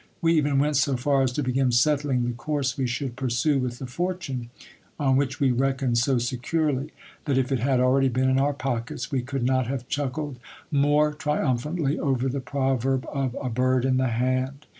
We even went so far as to begin settling the course we should pursue with the fortune, on which we reckoned so securely, that if it had already been in our pockets, we could not have chuckled more triumphantly over the proverb of "a bird in the hand."